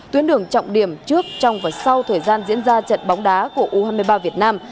tuyến đường trọng điểm trước trong và sau thời gian diễn ra trận bóng đá của u hai mươi ba việt nam